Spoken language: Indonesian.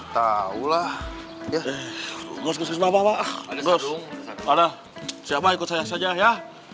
tahu lah gue nggak usah bawa bawa ada siapa ikut saya saja ya